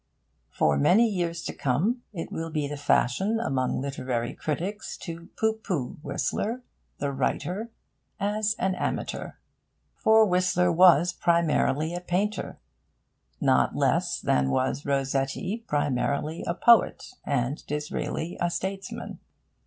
For many years to come, it will be the fashion among literary critics to pooh pooh Whistler, the writer, as an amateur. For Whistler was primarily a painter not less than was Rossetti primarily a poet, and Disraeli a statesman.